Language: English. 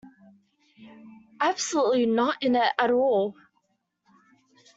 Absolutely not in it at all.